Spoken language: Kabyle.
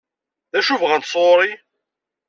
D acu i bɣant sɣur-i?